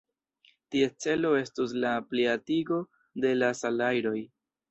Ties celo estus la plialtigo de la salajroj.